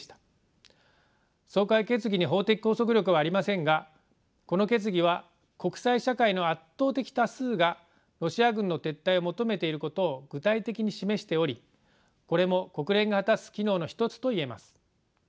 総会決議に法的拘束力はありませんがこの決議は国際社会の圧倒的多数がロシア軍の撤退を求めていることを具体的に示しておりこれも国連が果たす機能の一つといえます。